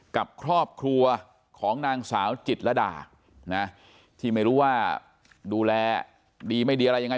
กับครอบครัวของนางสาวจิตรดานะที่ไม่รู้ว่าดูแลดีไม่ดีอะไรยังไง